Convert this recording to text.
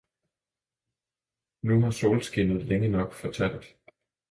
Nu har solskinnet længe nok fortalt.